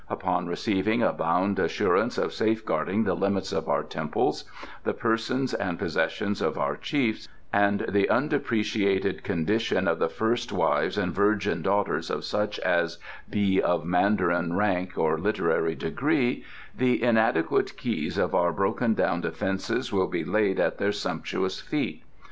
Upon receiving a bound assurance safeguarding the limits of our temples, the persons and possessions of our chiefs, and the undepreciated condition of the first wives and virgin daughters of such as be of mandarin rank or literary degree, the inadequate keys of our broken down defences will be laid at their sumptuous feet.